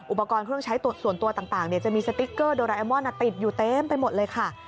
อุปกรณ์เครื่องใช้ส่วนตัวต่างจะมีสติ๊กเกอร์โดราแอมอนติดอยู่เต็มไปหมดเลยค่ะ